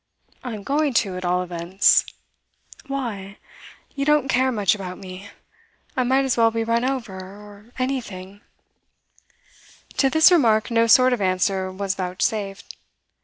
'I'm going to, at all events.' 'Why? You don't care much about me. I might as well be run over or anything ' To this remark no sort of answer was vouchsafed.